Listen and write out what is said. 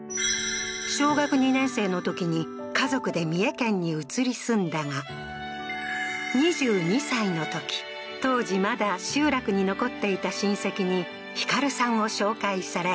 小学２年生の時に家族で三重県に移り住んだが２２歳のとき当時まだ集落に残っていた親戚に光さんを紹介され